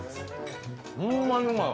ホンマにうまい。